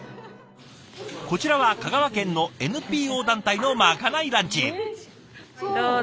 こちらは香川県のＮＰＯ団体のまかないランチ。